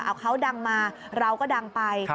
เอาเขาดังมาเราก็ดังไป